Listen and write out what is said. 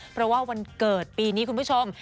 เพราะว่าวันเกิดปีนี้คุณผู้ชม